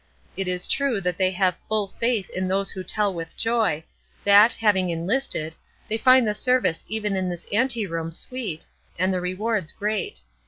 It is true that they have full faith in those who will tell with joy, that, having enlisted, they find the service even in this ante room sweet, and the rewards great.